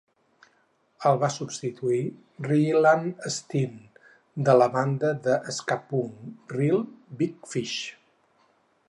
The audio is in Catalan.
El va substituir Ryland Steen, de la banda de ska-punk Reel Big Fish.